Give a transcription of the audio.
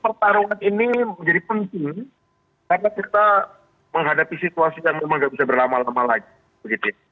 karena kita menghadapi situasi yang memang gak bisa berlama lama lagi